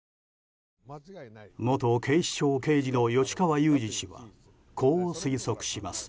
元警視庁刑事の吉川祐二氏はこう推測します。